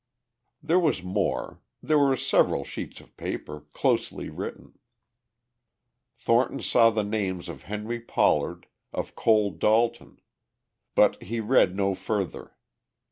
There was more; there were several sheets of paper, closely written. Thornton saw the names of Henry Pollard, of Cole Dalton. But he read no further.